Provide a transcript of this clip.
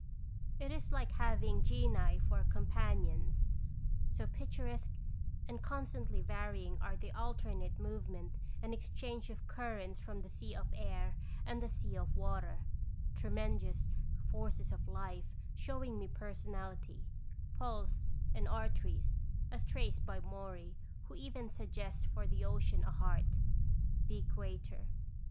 It is like having genii for companions, so pictur esque and constantly varying are the alternate movement and exchange of currents from the sea of air and the sea of water, tremendous forces of life, showing me personality, pulse and arteries, as traced by Maury, who even suggests for the ocean a heart the equator.